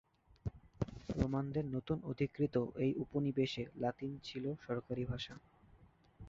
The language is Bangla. রোমানদের নতুন অধিকৃত এই উপনিবেশে লাতিন ছিল সরকারি ভাষা।